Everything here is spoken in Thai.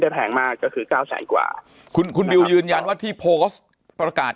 ได้แพงมากก็คือ๙๐๐๐๐๐กว่าคุณบิวยืนยันว่าที่โพสต์ประกาศ